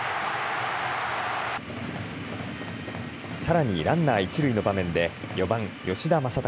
さらにランナー一塁の場面で４番、吉田正尚。